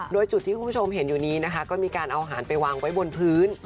โดยจุดที่คุณผู้ชมเห็นอยู่นี้นะคะก็มีการเอาอาหารไปวางไว้บนพื้น